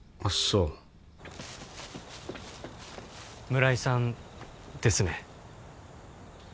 そう村井さんですね